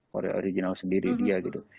korea original sendiri dia gitu